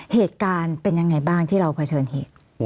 เหตุการณ์เป็นยังไงบ้างที่เราเผชิญเหตุ